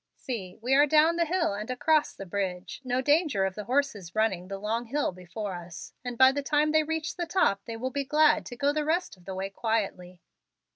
"See, we are down the hill and across the bridge. No danger of the horses running up the long hill before us, and by the time they reach the top they will be glad to go the rest of the way quietly."